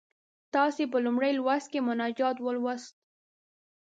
تاسې په لومړي لوست کې مناجات ولوست.